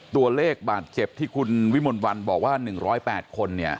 ตัวเลขบาดเจ็บที่คุณวิมลวันบอกว่า๑๐๘คน